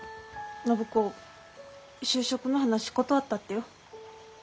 暢子就職の話断ったってよ。